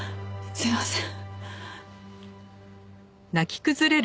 すみません。